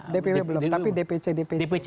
dpw belum tapi dpc dpd